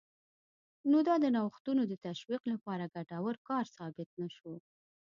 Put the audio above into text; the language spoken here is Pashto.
نو دا د نوښتونو د تشویق لپاره ګټور کار ثابت نه شو